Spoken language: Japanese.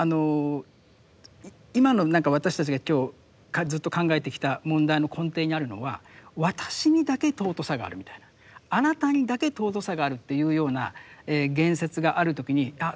今の何か私たちが今日ずっと考えてきた問題の根底にあるのは私にだけ尊さがあるみたいなあなたにだけ尊さがあるっていうような言説がある時にあそうかって。